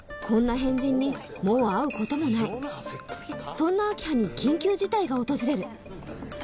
変人にもう会うこともないそんな明葉に緊急事態が訪れる私